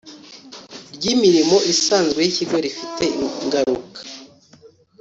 ry imirimo isanzwe y ikigo rifite ingaruka